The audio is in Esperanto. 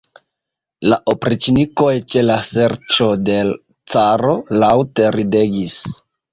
La opriĉnikoj, ĉe la ŝerco de l' caro, laŭte ridegis.